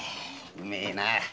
うめえな。